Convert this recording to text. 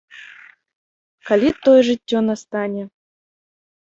Калі тое жыццё настане?